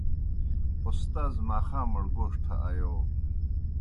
اوستاذ ماخامڑ گوݜٹھہ آیو۔